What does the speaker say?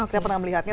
saya pernah melihatnya